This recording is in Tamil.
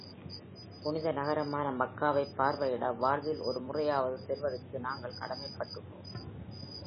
புனித நகரமான மக்காவைப் பார்வையிட வாழ்வில் ஒரு முறையாவது செல்வதற்கு நாங்கள் கடமைப்பட்டுள்ளோம்.